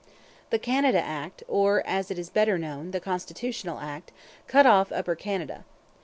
The Canada Act, or, as it is better known, the Constitutional Act, cut off Upper Canada.